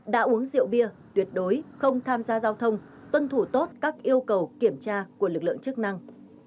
đã uống rượu bia tuyệt đối không tham gia giao thông tuân thủ tốt các yêu cầu kiểm tra của lực lượng chức năng